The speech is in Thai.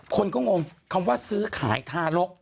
คนก็งงคำว่าซื้อขายทารก